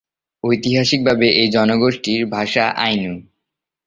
ঐতিহাসিক ভাবে, এই জনগোষ্ঠীর ভাষা আইনু।